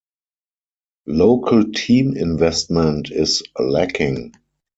Local team investment is lacking.